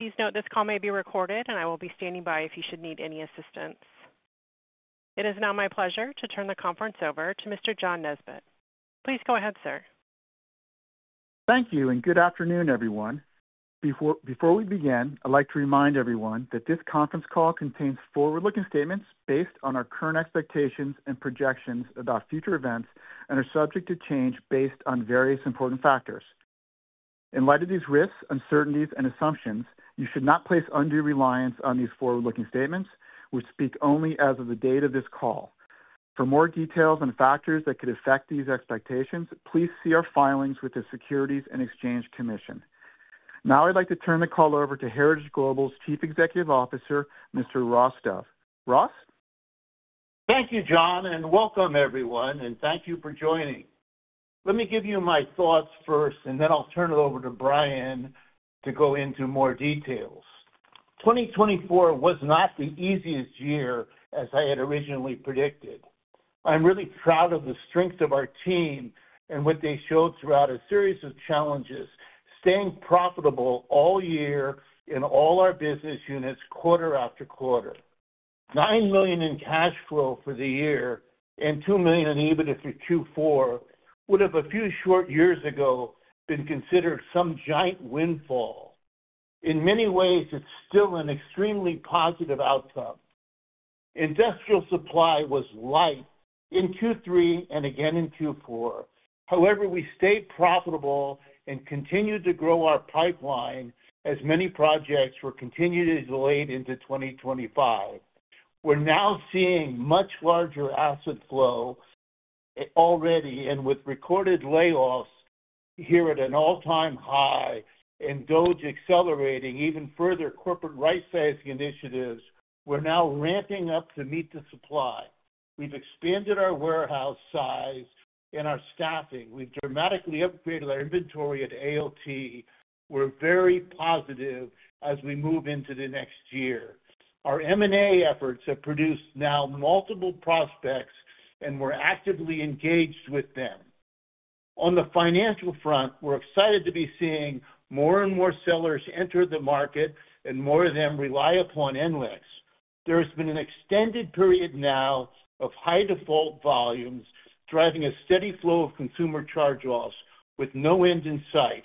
Please note this call may be recorded, and I will be standing by if you should need any assistance. It is now my pleasure to turn the conference over to Mr. John Nesbett. Please go ahead, sir. Thank you, and good afternoon, everyone. Before we begin, I'd like to remind everyone that this conference call contains forward-looking statements based on our current expectations and projections about future events and are subject to change based on various important factors. In light of these risks, uncertainties, and assumptions, you should not place undue reliance on these forward-looking statements. We speak only as of the date of this call. For more details on factors that could affect these expectations, please see our filings with the Securities and Exchange Commission. Now, I'd like to turn the call over to Heritage Global's Chief Executive Officer, Mr. Ross Dove. Ross? Thank you, John, and welcome, everyone, and thank you for joining. Let me give you my thoughts first, and then I'll turn it over to Brian to go into more details. 2024 was not the easiest year, as I had originally predicted. I'm really proud of the strength of our team and what they showed throughout a series of challenges, staying profitable all year in all our business units quarter after quarter. $9 million in cash flow for the year and $2 million in EBITDA for Q4 would have, a few short years ago, been considered some giant windfall. In many ways, it's still an extremely positive outcome. Industrial supply was light in Q3 and again in Q4. However, we stayed profitable and continued to grow our pipeline as many projects were continued to delay into 2025. We're now seeing much larger asset flow already, and with recorded layoffs here at an all-time high and DOGE accelerating even further corporate right-sizing initiatives, we're now ramping up to meet the supply. We've expanded our warehouse size and our staffing. We've dramatically upgraded our inventory at ALT. We're very positive as we move into the next year. Our M&A efforts have produced now multiple prospects, and we're actively engaged with them. On the financial front, we're excited to be seeing more and more sellers enter the market, and more of them rely upon NLEX. There has been an extended period now of high default volumes driving a steady flow of consumer charge-offs with no end in sight.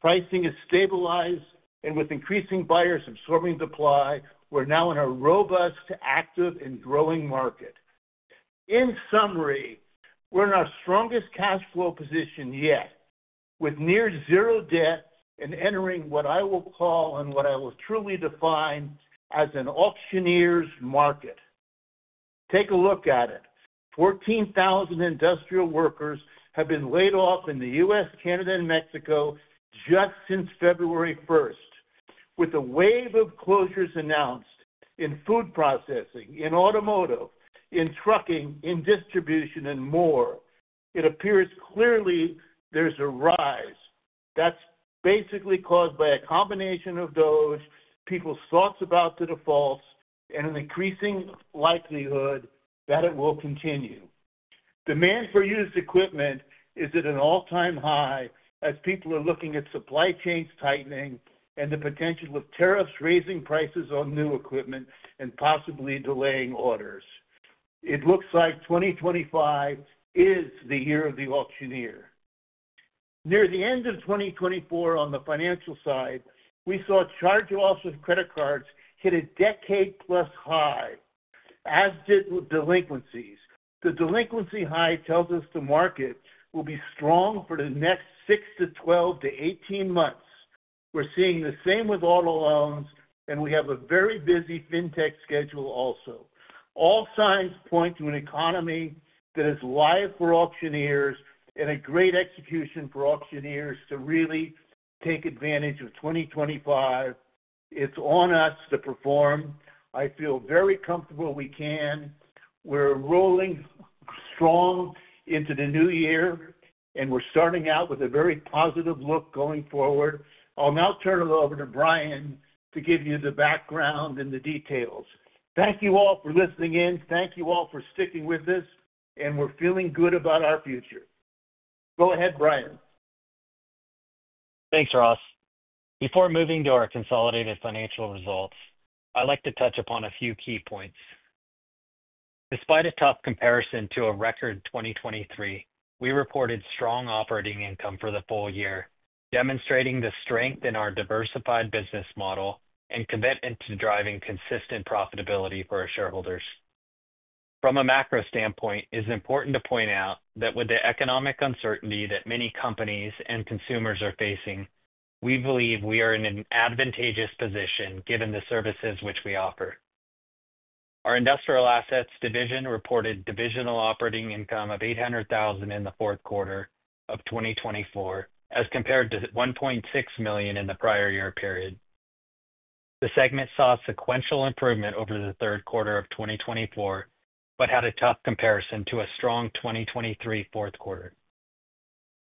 Pricing has stabilized, and with increasing buyers absorbing supply, we're now in a robust, active, and growing market. In summary, we're in our strongest cash flow position yet, with near zero debt and entering what I will call and what I will truly define as an auctioneer's market. Take a look at it. 14,000 industrial workers have been laid off in the U.S., Canada, and Mexico just since February 1, with a wave of closures announced in food processing, in automotive, in trucking, in distribution, and more. It appears clearly there's a rise. That's basically caused by a combination of DOGE, people's thoughts about the defaults, and an increasing likelihood that it will continue. Demand for used equipment is at an all-time high as people are looking at supply chains tightening and the potential of tariffs raising prices on new equipment and possibly delaying orders. It looks like 2025 is the year of the auctioneer. Near the end of 2024, on the financial side, we saw charge-offs of credit cards hit a decade-plus high, as did with delinquencies. The delinquency high tells us the market will be strong for the next 6-12-18 months. We're seeing the same with auto loans, and we have a very busy fintech schedule also. All signs point to an economy that is live for auctioneers and a great execution for auctioneers to really take advantage of 2025. It's on us to perform. I feel very comfortable we can. We're rolling strong into the new year, and we're starting out with a very positive look going forward. I'll now turn it over to Brian to give you the background and the details. Thank you all for listening in. Thank you all for sticking with us, and we're feeling good about our future. Go ahead, Brian. Thanks, Ross. Before moving to our consolidated financial results, I'd like to touch upon a few key points. Despite a tough comparison to a record 2023, we reported strong operating income for the full year, demonstrating the strength in our diversified business model and commitment to driving consistent profitability for our shareholders. From a macro standpoint, it's important to point out that with the economic uncertainty that many companies and consumers are facing, we believe we are in an advantageous position given the services which we offer. Our industrial assets division reported divisional operating income of $800,000 in the fourth quarter of 2024, as compared to $1.6 million in the prior year period. The segment saw sequential improvement over the third quarter of 2024 but had a tough comparison to a strong 2023 fourth quarter.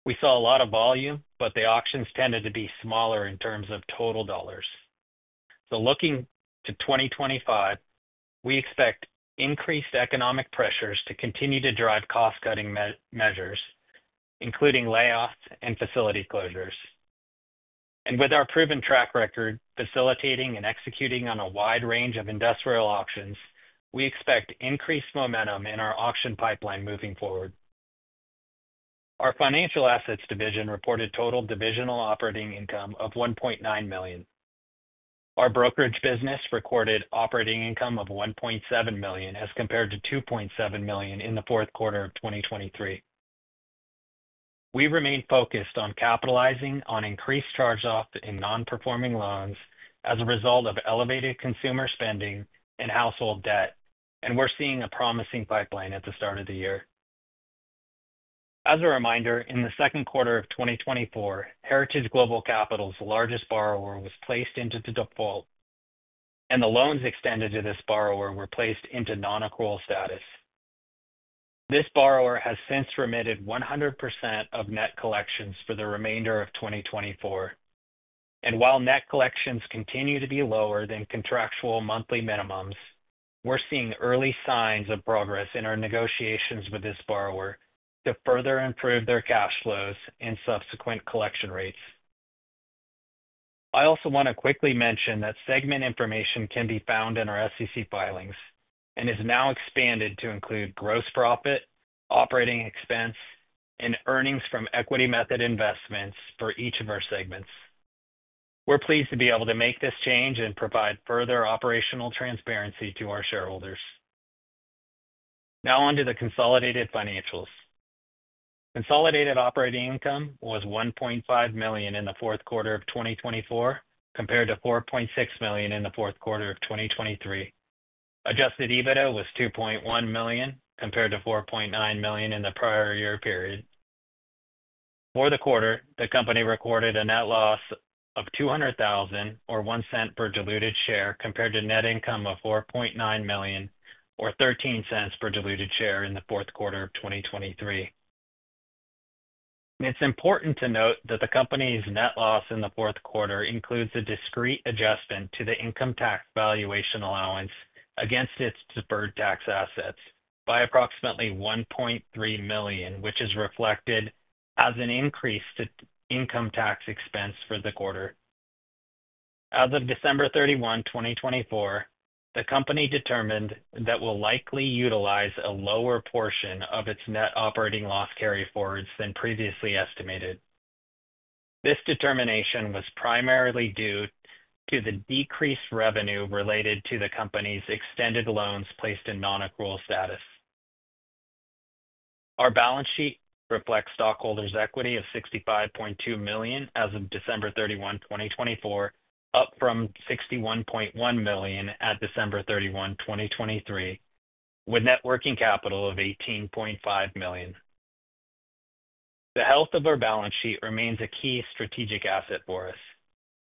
We saw a lot of volume, but the auctions tended to be smaller in terms of total dollars. Looking to 2025, we expect increased economic pressures to continue to drive cost-cutting measures, including layoffs and facility closures. With our proven track record facilitating and executing on a wide range of industrial auctions, we expect increased momentum in our auction pipeline moving forward. Our financial assets division reported total divisional operating income of $1.9 million. Our brokerage business recorded operating income of $1.7 million as compared to $2.7 million in the fourth quarter of 2023. We remain focused on capitalizing on increased charge-off in non-performing loans as a result of elevated consumer spending and household debt, and we're seeing a promising pipeline at the start of the year. As a reminder, in the second quarter of 2024, Heritage Global Capital's largest borrower was placed into default, and the loans extended to this borrower were placed into non-accrual status. This borrower has since remitted 100% of net collections for the remainder of 2024. While net collections continue to be lower than contractual monthly minimums, we're seeing early signs of progress in our negotiations with this borrower to further improve their cash flows and subsequent collection rates. I also want to quickly mention that segment information can be found in our SEC filings and is now expanded to include gross profit, operating expense, and earnings from equity method investments for each of our segments. We're pleased to be able to make this change and provide further operational transparency to our shareholders. Now on to the consolidated financials. Consolidated operating income was $1.5 million in the fourth quarter of 2024 compared to $4.6 million in the fourth quarter of 2023. Adjusted EBITDA was $2.1 million compared to $4.9 million in the prior year period. For the quarter, the company recorded a net loss of $200,000 or $0.01 per diluted share compared to net income of $4.9 million or $0.13 per diluted share in the fourth quarter of 2023. It's important to note that the company's net loss in the fourth quarter includes a discrete adjustment to the income tax valuation allowance against its deferred tax assets by approximately $1.3 million, which is reflected as an increase to income tax expense for the quarter. As of December 31, 2024, the company determined that it will likely utilize a lower portion of its net operating loss carryforwards than previously estimated. This determination was primarily due to the decreased revenue related to the company's extended loans placed in non-accrual status. Our balance sheet reflects stockholders' equity of $65.2 million as of December 31, 2024, up from $61.1 million at December 31, 2023, with net working capital of $18.5 million. The health of our balance sheet remains a key strategic asset for us.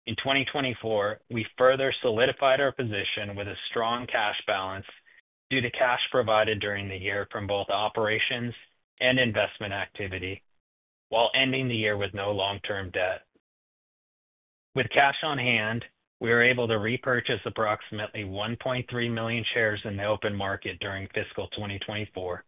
In 2024, we further solidified our position with a strong cash balance due to cash provided during the year from both operations and investment activity, while ending the year with no long-term debt. With cash on hand, we were able to repurchase approximately 1.3 million shares in the open market during fiscal 2024.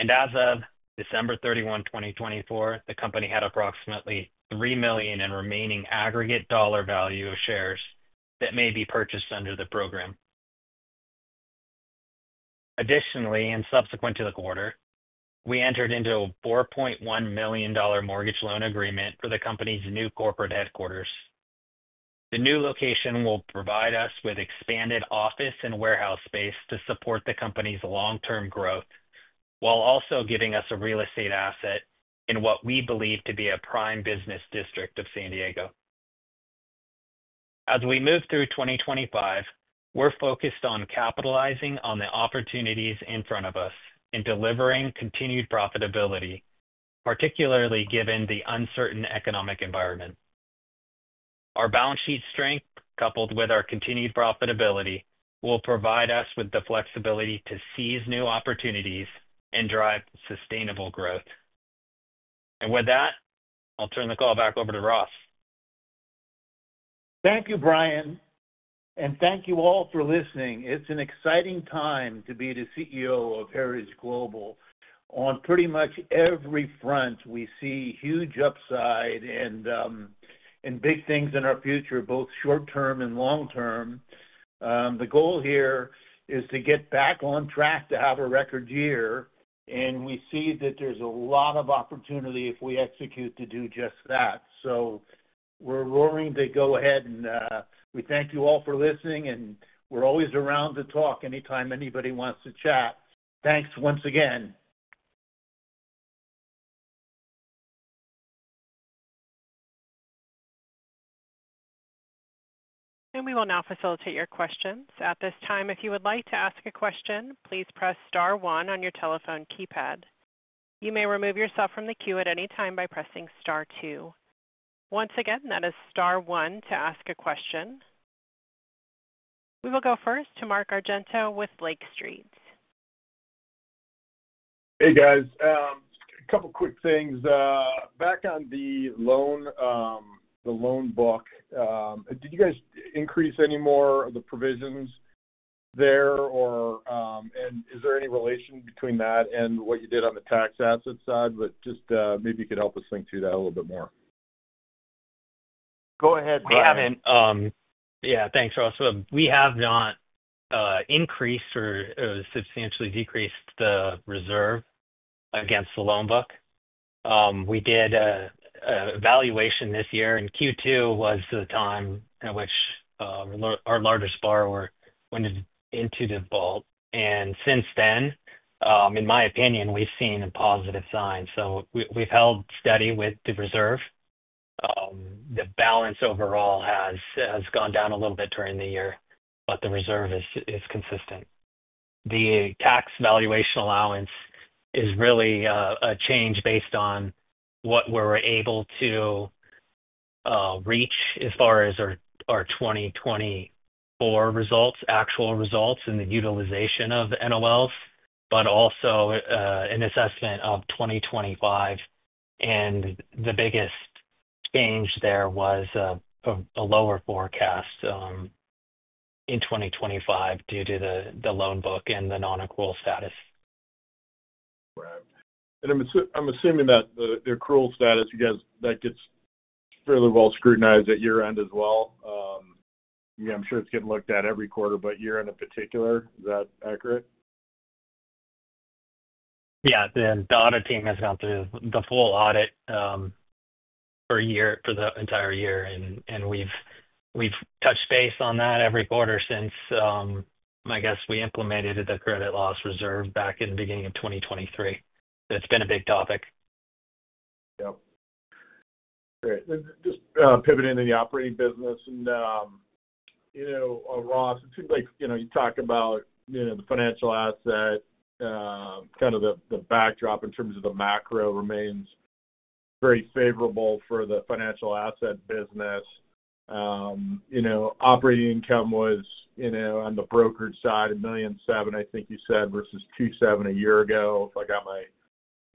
As of December 31, 2024, the company had approximately $3 million in remaining aggregate dollar value of shares that may be purchased under the program. Additionally, and subsequent to the quarter, we entered into a $4.1 million mortgage loan agreement for the company's new corporate headquarters. The new location will provide us with expanded office and warehouse space to support the company's long-term growth, while also giving us a real estate asset in what we believe to be a prime business district of San Diego. As we move through 2025, we're focused on capitalizing on the opportunities in front of us and delivering continued profitability, particularly given the uncertain economic environment. Our balance sheet strength, coupled with our continued profitability, will provide us with the flexibility to seize new opportunities and drive sustainable growth. I'll turn the call back over to Ross. Thank you, Brian, and thank you all for listening. It's an exciting time to be the CEO of Heritage Global on pretty much every front. We see huge upside and big things in our future, both short-term and long-term. The goal here is to get back on track to have a record year, and we see that there's a lot of opportunity if we execute to do just that. We're roaring to go ahead, and we thank you all for listening, and we're always around to talk anytime anybody wants to chat. Thanks once again. We will now facilitate your questions. At this time, if you would like to ask a question, please press star one on your telephone keypad. You may remove yourself from the queue at any time by pressing star two. Once again, that is star one to ask a question. We will go first to Mark Argento with Lake Street. Hey, guys. A couple of quick things. Back on the loan book, did you guys increase any more of the provisions there? Is there any relation between that and what you did on the tax asset side? Maybe you could help us think through that a little bit more. Go ahead, Brian. Yeah, thanks, Ross. We have not increased or substantially decreased the reserve against the loan book. We did a valuation this year, and Q2 was the time at which our largest borrower went into default. Since then, in my opinion, we've seen a positive sign. We have held steady with the reserve. The balance overall has gone down a little bit during the year, but the reserve is consistent. The tax valuation allowance is really a change based on what we're able to reach as far as our 2024 results, actual results, and the utilization of NOLs, but also an assessment of 2025. The biggest change there was a lower forecast in 2025 due to the loan book and the non-accrual status. Right. I'm assuming that the accrual status, you guys, that gets fairly well scrutinized at your end as well. Yeah, I'm sure it's getting looked at every quarter, but you're in a particular. Is that accurate? Yeah. The audit team has gone through the full audit for the entire year, and we've touched base on that every quarter since, I guess, we implemented the credit loss reserve back in the beginning of 2023. It's been a big topic. Yep. Great. Just pivoting in the operating business. Ross, it seems like you talk about the financial asset, kind of the backdrop in terms of the macro remains very favorable for the financial asset business. Operating income was on the brokerage side, $1.7 million, I think you said, versus $2.7 million a year ago, if I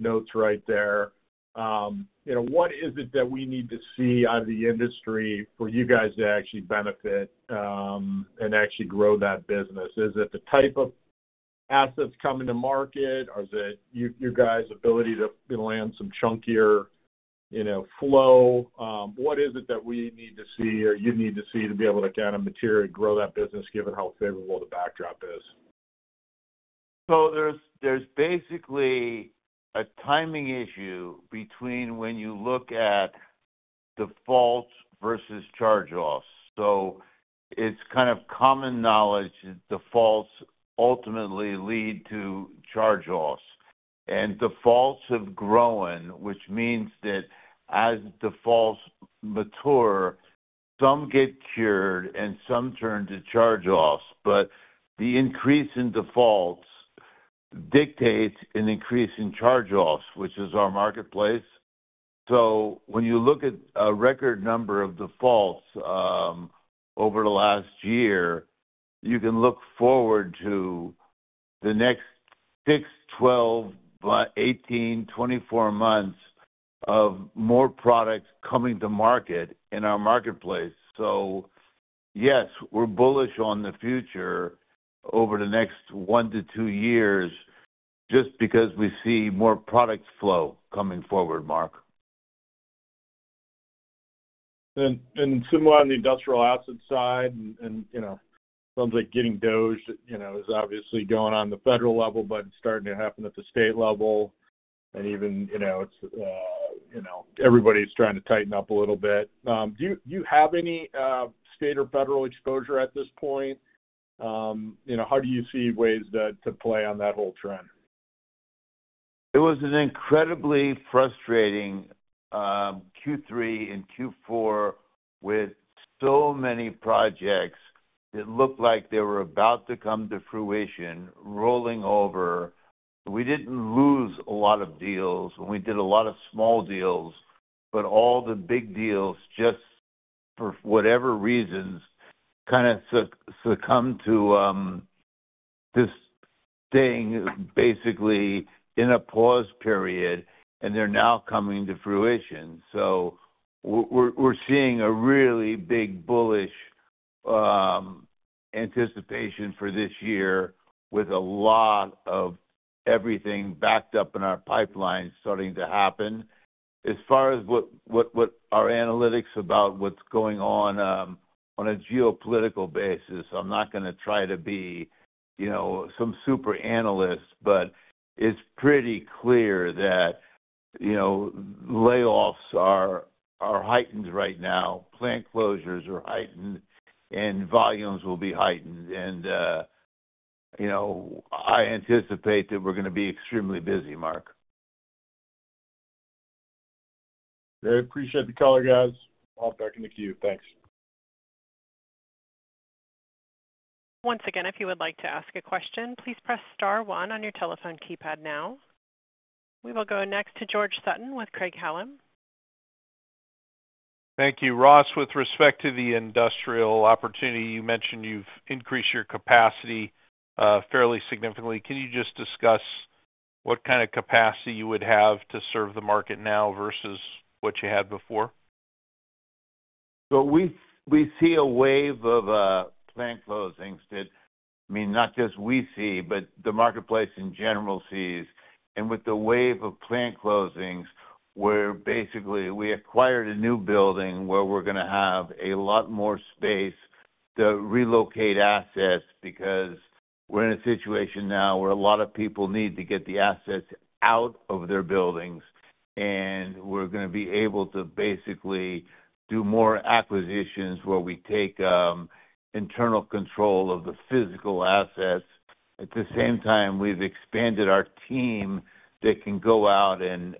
got my notes right there. What is it that we need to see out of the industry for you guys to actually benefit and actually grow that business? Is it the type of assets coming to market, or is it your guys' ability to land some chunkier flow? What is it that we need to see or you need to see to be able to kind of materially grow that business, given how favorable the backdrop is? There's basically a timing issue between when you look at default versus charge-offs. It's kind of common knowledge that defaults ultimately lead to charge loss. Defaults have grown, which means that as defaults mature, some get cured and some turn to charge loss. The increase in defaults dictates an increase in charge loss, which is our marketplace. When you look at a record number of defaults over the last year, you can look forward to the next 6, 12, 18, 24 months of more products coming to market in our marketplace. Yes, we're bullish on the future over the next one to two years just because we see more product flow coming forward, Mark. Similar on the industrial asset side, and it sounds like getting DOGE is obviously going on the federal level, but it's starting to happen at the state level. Even everybody's trying to tighten up a little bit. Do you have any state or federal exposure at this point? How do you see ways to play on that whole trend? It was an incredibly frustrating Q3 and Q4 with so many projects that looked like they were about to come to fruition, rolling over. We did not lose a lot of deals, and we did a lot of small deals, but all the big deals, just for whatever reasons, kind of succumbed to just staying basically in a pause period, and they are now coming to fruition. We are seeing a really big bullish anticipation for this year with a lot of everything backed up in our pipeline starting to happen. As far as what our analytics about what is going on on a geopolitical basis, I am not going to try to be some super analyst, but it is pretty clear that layoffs are heightened right now. Plant closures are heightened, and volumes will be heightened. I anticipate that we are going to be extremely busy, Mark. I appreciate the call, guys. I'll back into queue. Thanks. Once again, if you would like to ask a question, please press star one on your telephone keypad now. We will go next to George Sutton with Craig-Hallum. Thank you. Ross, with respect to the industrial opportunity, you mentioned you've increased your capacity fairly significantly. Can you just discuss what kind of capacity you would have to serve the market now versus what you had before? We see a wave of plant closings. I mean, not just we see, but the marketplace in general sees. With the wave of plant closings, we basically acquired a new building where we're going to have a lot more space to relocate assets because we're in a situation now where a lot of people need to get the assets out of their buildings. We're going to be able to basically do more acquisitions where we take internal control of the physical assets. At the same time, we've expanded our team that can go out and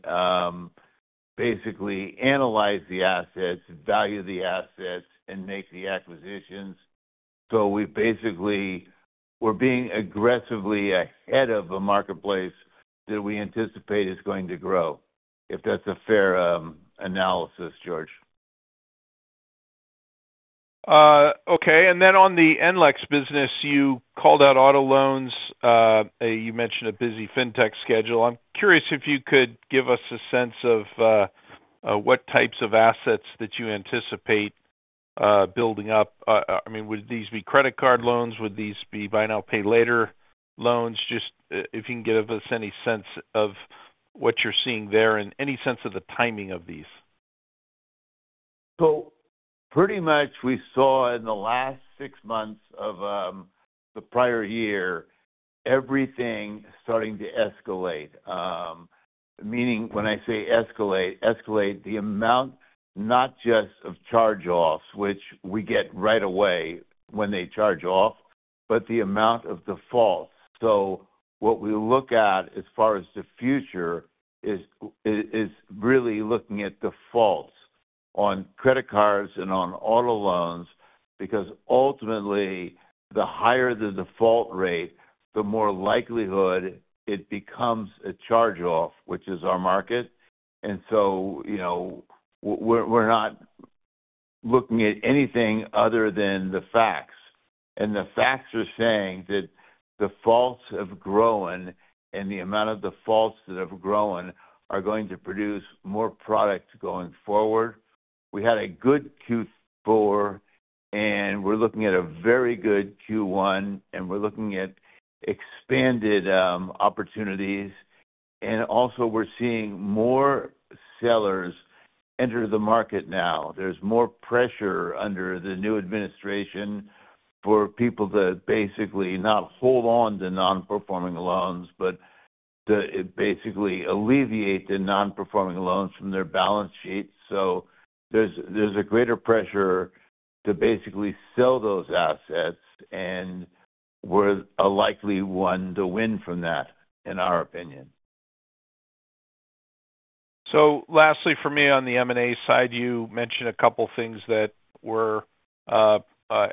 basically analyze the assets, value the assets, and make the acquisitions. We're basically being aggressively ahead of a marketplace that we anticipate is going to grow, if that's a fair analysis, George. Okay. On the NLEX business, you called out auto loans. You mentioned a busy fintech schedule. I'm curious if you could give us a sense of what types of assets that you anticipate building up. I mean, would these be credit card loans? Would these be buy now, pay later loans? Just if you can give us any sense of what you're seeing there and any sense of the timing of these. Pretty much we saw in the last six months of the prior year, everything starting to escalate. Meaning when I say escalate, escalate the amount not just of charge-offs, which we get right away when they charge off, but the amount of defaults. What we look at as far as the future is really looking at defaults on credit cards and on auto loans because ultimately, the higher the default rate, the more likelihood it becomes a charge-off, which is our market. We are not looking at anything other than the facts. The facts are saying that defaults have grown, and the amount of defaults that have grown are going to produce more product going forward. We had a good Q4, and we are looking at a very good Q1, and we are looking at expanded opportunities. We're seeing more sellers enter the market now. There's more pressure under the new administration for people to basically not hold on to non-performing loans, but to basically alleviate the non-performing loans from their balance sheet. There's a greater pressure to basically sell those assets, and we're a likely one to win from that, in our opinion. Lastly, for me on the M&A side, you mentioned a couple of things that were, I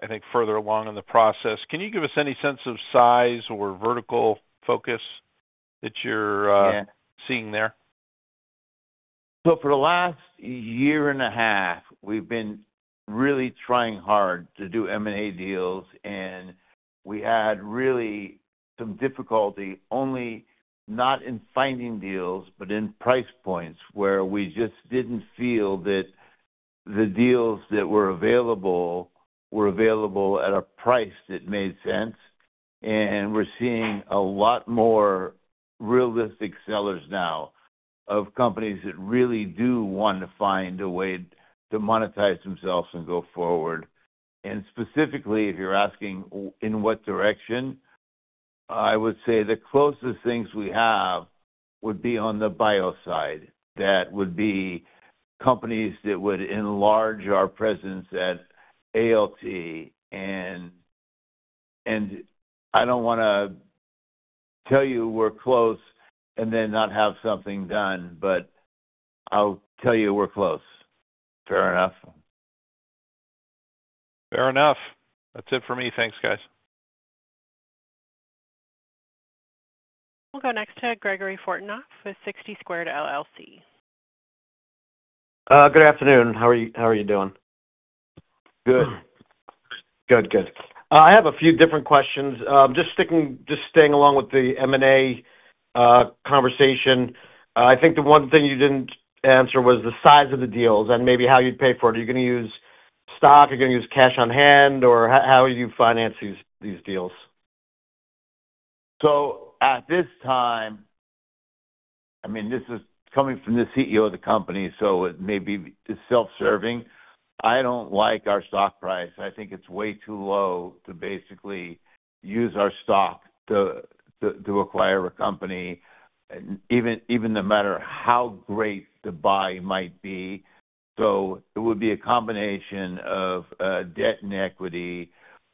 think, further along in the process. Can you give us any sense of size or vertical focus that you're seeing there? For the last year and a half, we've been really trying hard to do M&A deals, and we had really some difficulty only not in finding deals, but in price points where we just didn't feel that the deals that were available were available at a price that made sense. We're seeing a lot more realistic sellers now of companies that really do want to find a way to monetize themselves and go forward. Specifically, if you're asking in what direction, I would say the closest things we have would be on the bio side. That would be companies that would enlarge our presence at ALT. I don't want to tell you we're close and then not have something done, but I'll tell you we're close. Fair enough. Fair enough. That's it for me. Thanks, guys. We'll go next to Gregory Fortunoff with 60 Squared LLC. Good afternoon. How are you doing? Good. Good, good. I have a few different questions. Just staying along with the M&A conversation, I think the one thing you didn't answer was the size of the deals and maybe how you'd pay for it. Are you going to use stock? Are you going to use cash on hand? Or how are you financing these deals? At this time, I mean, this is coming from the CEO of the company, so it may be self-serving. I don't like our stock price. I think it's way too low to basically use our stock to acquire a company, even no matter how great the buy might be. It would be a combination of debt and equity.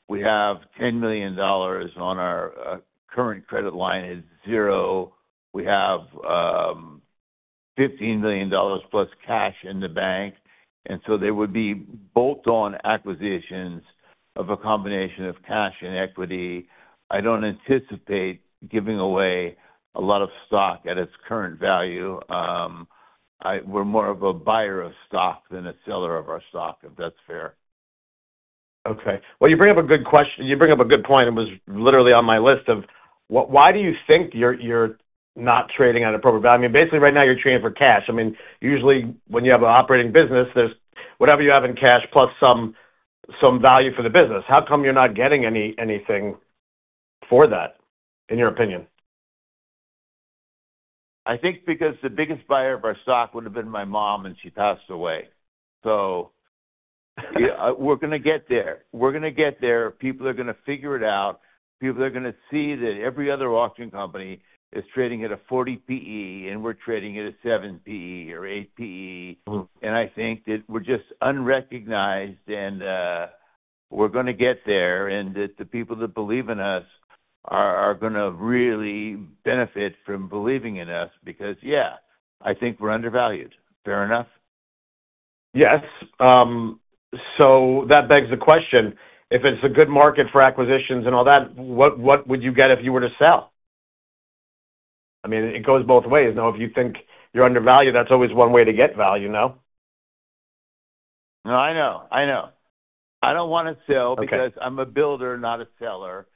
We have $10 million on our current credit line at zero. We have $15 million plus cash in the bank. There would be bolt-on acquisitions of a combination of cash and equity. I don't anticipate giving away a lot of stock at its current value. We're more of a buyer of stock than a seller of our stock, if that's fair. Okay. You bring up a good question. You bring up a good point. It was literally on my list of why do you think you're not trading at a proper value? I mean, basically, right now, you're trading for cash. I mean, usually, when you have an operating business, there's whatever you have in cash plus some value for the business. How come you're not getting anything for that, in your opinion? I think because the biggest buyer of our stock would have been my mom, and she passed away. We're going to get there. We're going to get there. People are going to figure it out. People are going to see that every other auction company is trading at a 40 PE, and we're trading at a 7 PE or 8 PE. I think that we're just unrecognized, and we're going to get there, and that the people that believe in us are going to really benefit from believing in us because, yeah, I think we're undervalued. Fair enough? Yes. That begs the question. If it's a good market for acquisitions and all that, what would you get if you were to sell? I mean, it goes both ways. Now, if you think you're undervalued, that's always one way to get value, no? No, I know. I know. I do not want to sell because I am a builder, not a seller.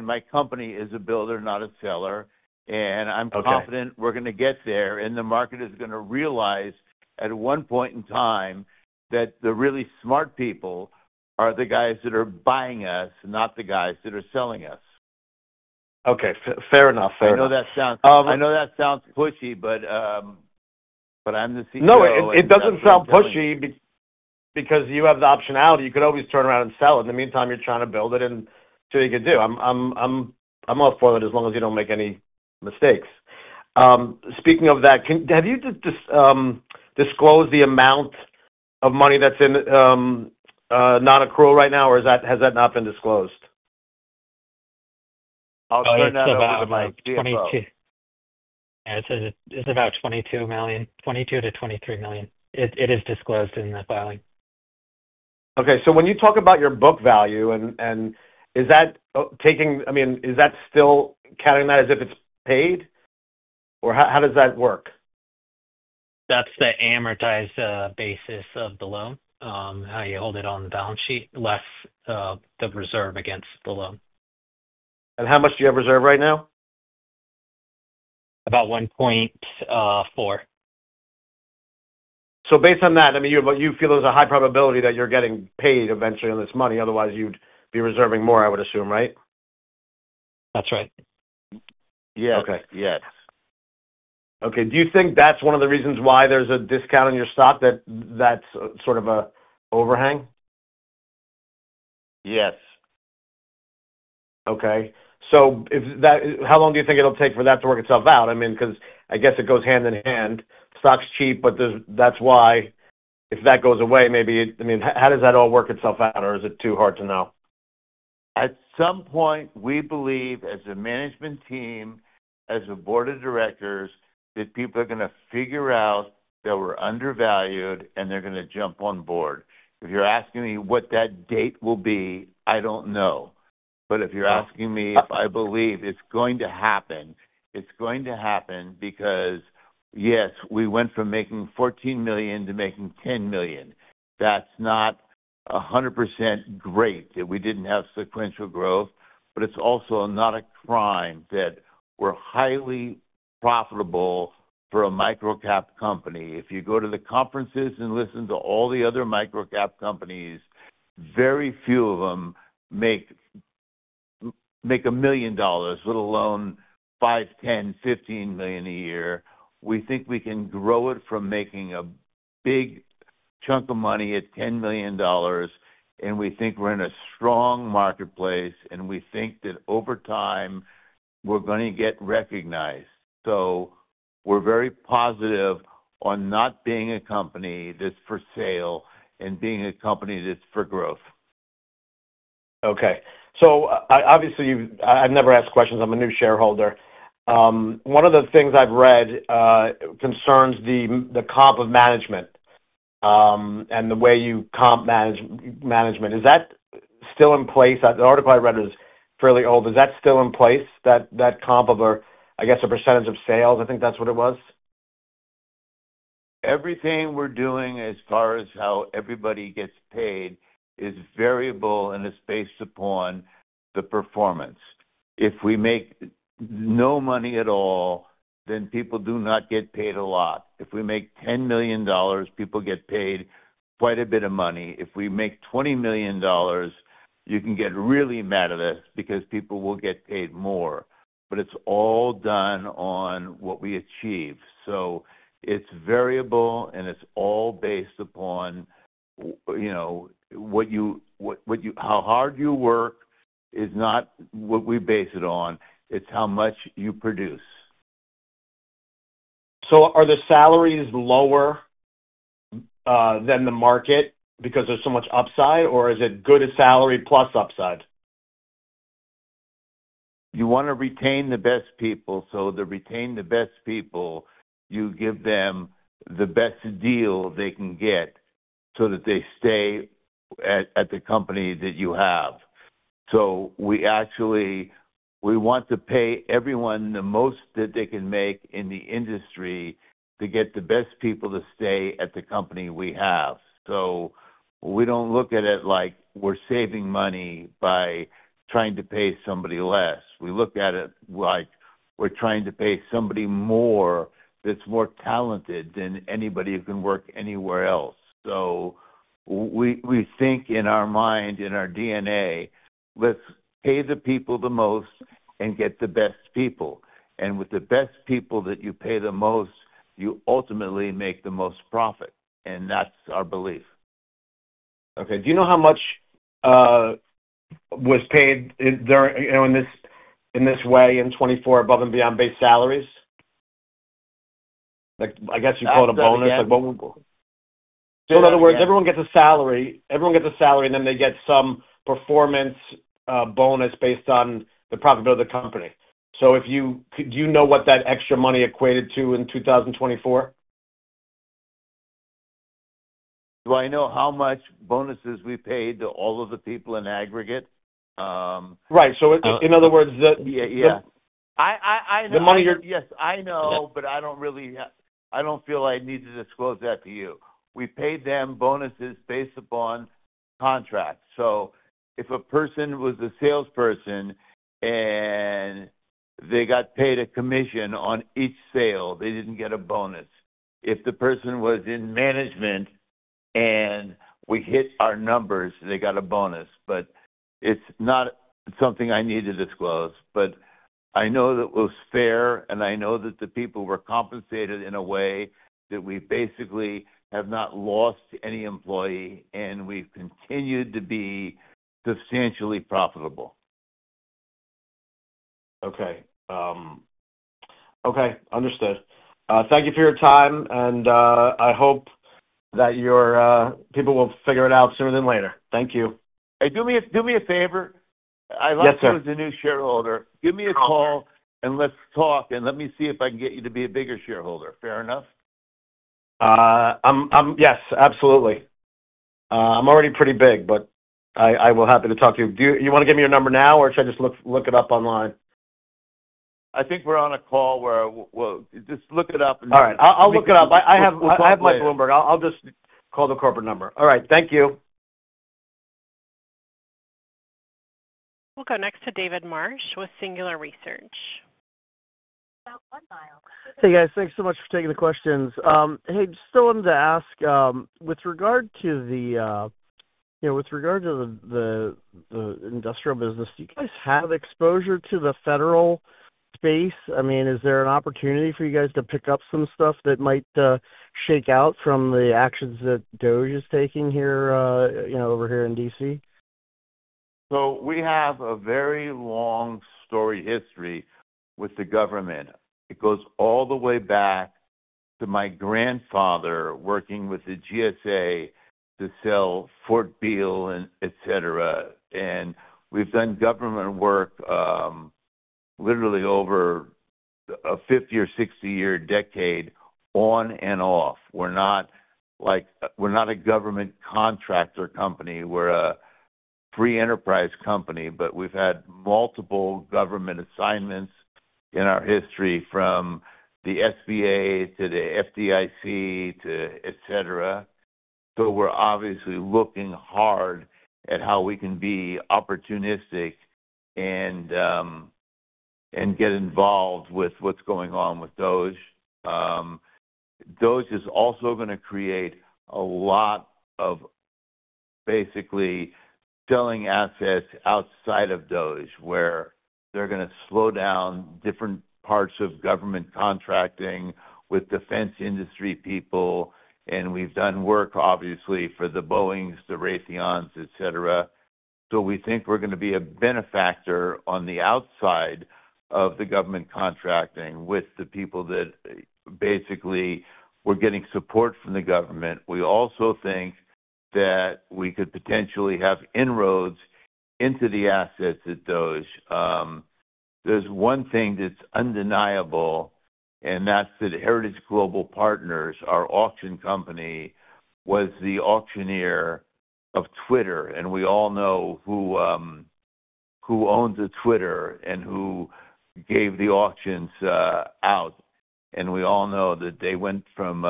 My company is a builder, not a seller. I am confident we are going to get there, and the market is going to realize at one point in time that the really smart people are the guys that are buying us, not the guys that are selling us. Okay. Fair enough. Fair enough. I know that sounds pushy, but I'm the CEO. No, it doesn't sound pushy because you have the optionality. You could always turn around and sell. In the meantime, you're trying to build it, and so you could do. I'm up for it as long as you don't make any mistakes. Speaking of that, have you disclosed the amount of money that's in non-accrual right now, or has that not been disclosed? I'll turn that over to Mike to see if I can. It's about $22 million. $22-$23 million. It is disclosed in the filing. Okay. When you talk about your book value, and is that taking—I mean, is that still counting that as if it's paid? Or how does that work? That's the amortized basis of the loan, how you hold it on the balance sheet, less the reserve against the loan. How much do you have reserve right now? About 1.4. Based on that, I mean, you feel there's a high probability that you're getting paid eventually on this money. Otherwise, you'd be reserving more, I would assume, right? That's right. Yes. Yes. Okay. Do you think that's one of the reasons why there's a discount on your stock, that that's sort of an overhang? Yes. How long do you think it'll take for that to work itself out? I mean, because I guess it goes hand in hand. Stock's cheap, but that's why if that goes away, maybe—I mean, how does that all work itself out, or is it too hard to know? At some point, we believe, as a management team, as a board of directors, that people are going to figure out that we're undervalued, and they're going to jump on board. If you're asking me what that date will be, I don't know. If you're asking me, I believe it's going to happen. It's going to happen because, yes, we went from making $14 million to making $10 million. That's not 100% great that we didn't have sequential growth, but it's also not a crime that we're highly profitable for a microcap company. If you go to the conferences and listen to all the other microcap companies, very few of them make $1 million, let alone $5 million, $10 million, $15 million a year. We think we can grow it from making a big chunk of money at $10 million, and we think we're in a strong marketplace, and we think that over time, we're going to get recognized. We are very positive on not being a company that's for sale and being a company that's for growth. Okay. Obviously, I've never asked questions. I'm a new shareholder. One of the things I've read concerns the comp of management and the way you comp management. Is that still in place? The article I read is fairly old. Is that still in place, that comp of, I guess, a percentage of sales? I think that's what it was. Everything we're doing as far as how everybody gets paid is variable, and it's based upon the performance. If we make no money at all, then people do not get paid a lot. If we make $10 million, people get paid quite a bit of money. If we make $20 million, you can get really mad at us because people will get paid more. It is all done on what we achieve. It is variable, and it is all based upon what you—how hard you work is not what we base it on. It is how much you produce. Are the salaries lower than the market because there's so much upside, or is it good at salary plus upside? You want to retain the best people. To retain the best people, you give them the best deal they can get so that they stay at the company that you have. We actually want to pay everyone the most that they can make in the industry to get the best people to stay at the company we have. We do not look at it like we are saving money by trying to pay somebody less. We look at it like we are trying to pay somebody more that is more talented than anybody who can work anywhere else. We think in our mind, in our DNA, let's pay the people the most and get the best people. With the best people that you pay the most, you ultimately make the most profit. That is our belief. Okay. Do you know how much was paid in this way in 2024 above and beyond base salaries? I guess you call it a bonus. Yeah. In other words, everyone gets a salary. Everyone gets a salary, and then they get some performance bonus based on the profitability of the company. Do you know what that extra money equated to in 2024? Do I know how much bonuses we paid to all of the people in aggregate? Right. In other words, yeah. Yeah. The money you're. Yes, I know, but I don't really—I don't feel I need to disclose that to you. We paid them bonuses based upon contracts. If a person was a salesperson and they got paid a commission on each sale, they didn't get a bonus. If the person was in management and we hit our numbers, they got a bonus. It is not something I need to disclose. I know that it was fair, and I know that the people were compensated in a way that we basically have not lost any employee, and we've continued to be substantially profitable. Okay. Okay. Understood. Thank you for your time, and I hope that your people will figure it out sooner than later. Thank you. Hey, do me a favor. Yes, sir. I like you as a new shareholder. Give me a call, and let's talk, and let me see if I can get you to be a bigger shareholder. Fair enough? Yes. Absolutely. I'm already pretty big, but I will be happy to talk to you. Do you want to give me your number now, or should I just look it up online? I think we're on a call where we'll just look it up. All right. I'll look it up. I have my Bloomberg. I'll just call the corporate number. All right. Thank you. We'll go next to David Marsh with Singular Research. Hey, guys. Thanks so much for taking the questions. Hey, just still wanted to ask, with regard to the industrial business, do you guys have exposure to the federal space? I mean, is there an opportunity for you guys to pick up some stuff that might shake out from the actions that DOGE is taking here over here in D.C.? We have a very long story history with the government. It goes all the way back to my grandfather working with the GSA to sell Fort Beale, etc. We have done government work literally over a 50- or 60-year decade on and off. We are not a government contractor company. We are a free enterprise company, but we have had multiple government assignments in our history from the SBA to the FDIC, etc. We are obviously looking hard at how we can be opportunistic and get involved with what is going on with DOGE. DOGE is also going to create a lot of basically selling assets outside of DOGE, where they are going to slow down different parts of government contracting with defense industry people. We have done work, obviously, for the Boeings, the Raytheons, etc. We think we're going to be a benefactor on the outside of the government contracting with the people that basically we're getting support from the government. We also think that we could potentially have inroads into the assets at DOGE. There's one thing that's undeniable, and that's that Heritage Global Partners, our auction company, was the auctioneer of Twitter. We all know who owns Twitter and who gave the auctions out. We all know that they went from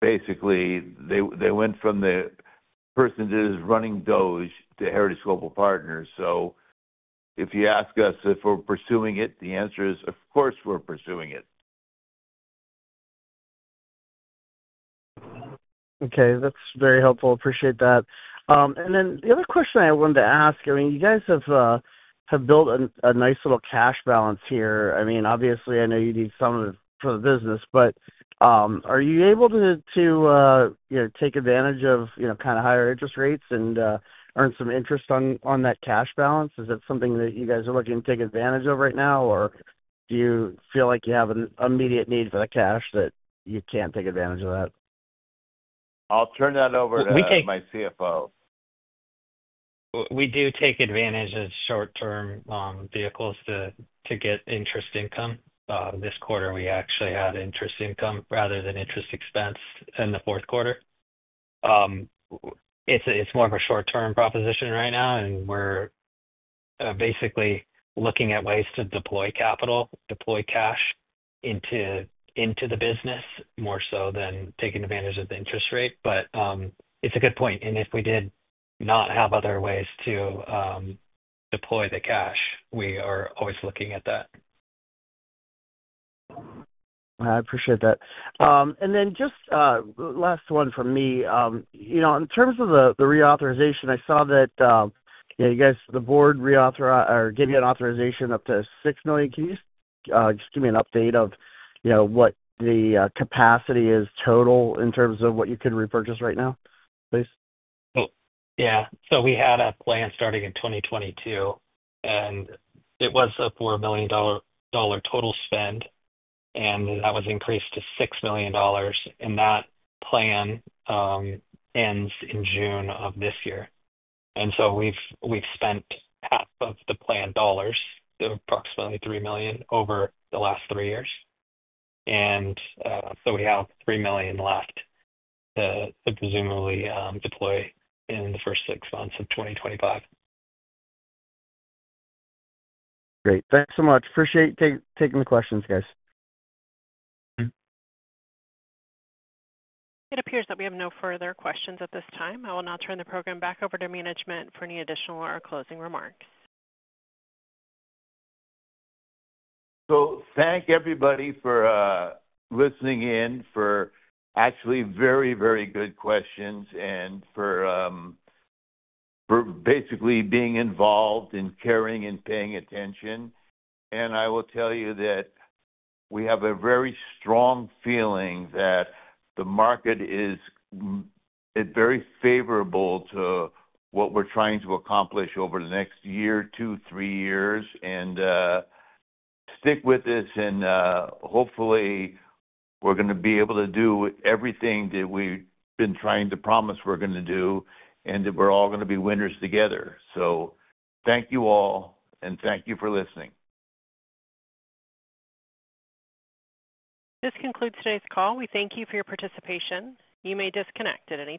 basically they went from the person that is running DOGE to Heritage Global Partners. If you ask us if we're pursuing it, the answer is, of course, we're pursuing it. Okay. That's very helpful. Appreciate that. The other question I wanted to ask, I mean, you guys have built a nice little cash balance here. I mean, obviously, I know you need some for the business, but are you able to take advantage of kind of higher interest rates and earn some interest on that cash balance? Is that something that you guys are looking to take advantage of right now, or do you feel like you have an immediate need for the cash that you can't take advantage of that? I'll turn that over to my COO. We do take advantage of short-term vehicles to get interest income. This quarter, we actually had interest income rather than interest expense in the fourth quarter. It is more of a short-term proposition right now, and we are basically looking at ways to deploy capital, deploy cash into the business more so than taking advantage of the interest rate. It is a good point. If we did not have other ways to deploy the cash, we are always looking at that. I appreciate that. Just last one from me. In terms of the reauthorization, I saw that you guys, the board, gave you an authorization up to $6 million. Can you just give me an update of what the capacity is total in terms of what you could repurchase right now, please? Yeah. We had a plan starting in 2022, and it was a $4 million total spend, and that was increased to $6 million. That plan ends in June of this year. We have spent half of the planned dollars, approximately $3 million, over the last three years. We have $3 million left to presumably deploy in the first six months of 2025. Great. Thanks so much. Appreciate taking the questions, guys. It appears that we have no further questions at this time. I will now turn the program back over to management for any additional or closing remarks. Thank everybody for listening in, for actually very, very good questions, and for basically being involved and caring and paying attention. I will tell you that we have a very strong feeling that the market is very favorable to what we're trying to accomplish over the next year, two, three years, and stick with this. Hopefully, we're going to be able to do everything that we've been trying to promise we're going to do and that we're all going to be winners together. Thank you all, and thank you for listening. This concludes today's call. We thank you for your participation. You may disconnect at any time.